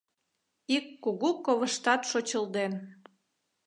Ик кугу ковыштат шочылден.